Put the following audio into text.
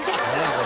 これ。